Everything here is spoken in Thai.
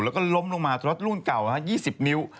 แล้วก็ล้มลงมารถรุ่นเก่า๒๐นิ้ว